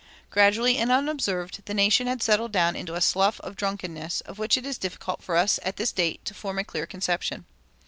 Gradually and unobserved the nation had settled down into a slough of drunkenness of which it is difficult for us at this date to form a clear conception.